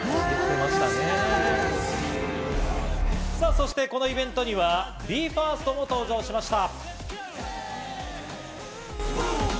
そして、このイベントにはＢＥ：ＦＩＲＳＴも登場しました。